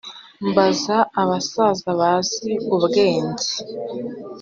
mbaza abasaza bazi ubwenge